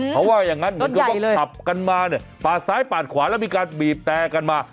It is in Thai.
เขาว่าอย่างนั้นเหมือนกับว่าขับกันมาเนี่ยปาดซ้ายปาดขวาแล้วมีการบีบแต่กันมา